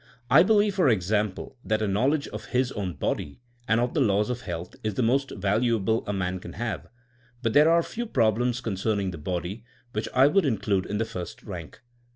I believe for example that a knowledge of his own body and of the laws of health is the most valuable a man can have, but there are few problems concerning the body which I would in clude in the first rank.